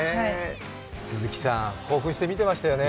鈴木さん、興奮して見てましたよね？